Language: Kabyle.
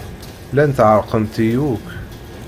Llant ɛerqent-iyi akk.